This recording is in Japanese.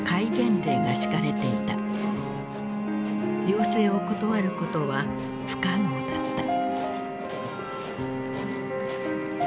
要請を断ることは不可能だった。